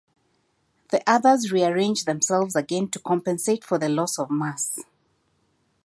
The others rearrange themselves again to compensate for the loss of mass.